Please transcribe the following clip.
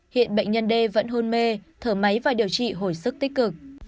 hiện bệnh nhân d vẫn hôn mê thở máy và điều trị hồi sức tích cực